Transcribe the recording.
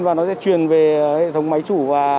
và nó sẽ truyền về hệ thống máy chủ